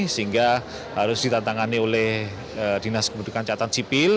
sehingga harus ditantangkan oleh dinas kependudukan dan pencatatan sipil